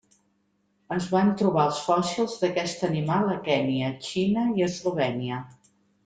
Es van trobar els fòssils d'aquest animal a Kenya, Xina i Eslovènia.